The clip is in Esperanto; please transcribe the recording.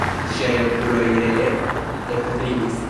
Ŝiaj okuloj ree ekbrilis.